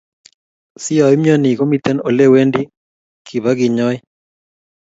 si yoimnyoni, komiten olewendi kebigenyoi